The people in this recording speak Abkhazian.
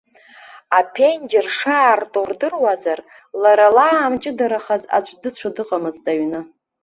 Аԥенџьыр шаарту рдыруазар, лара лаамҷыдарахаз аӡә дыцәо дыҟамызт аҩны.